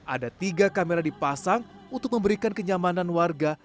ada tiga kamera dipasang untuk memberikan kenyamanan warga